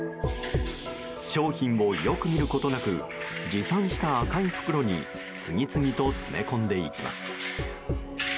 商品をよく見ることなく持参した赤い袋に次々と詰め込んでいきます。